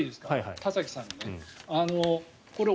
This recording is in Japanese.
田崎さんに。